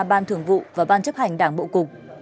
ban thường vụ và ban chấp hành đảng bộ cục